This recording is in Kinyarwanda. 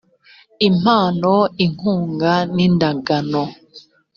impano inkunga n indagano